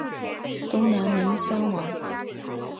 东南邻山王。